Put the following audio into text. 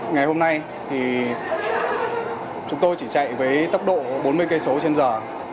ngày hôm nay thì chúng tôi chỉ chạy với tốc độ bốn mươi km trên giờ